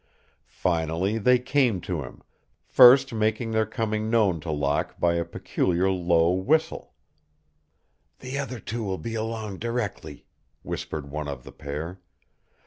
Finally they came to him, first making their coming known to Locke by a peculiar low whistle. "The other two will be along directly," whispered one of the pair.